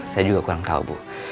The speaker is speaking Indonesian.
saya juga kurang tahu bu